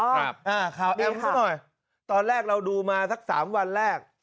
ครับดีครับอ่าข่าวแอมซะหน่อยตอนแรกเราดูมาสัก๓วันแรก